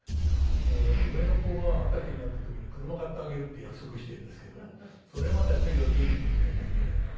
もうだから上の子が二十歳になった時に車買ってあげるって約束しているんですけどそれまではとにかく元気でいないといけないなと思って。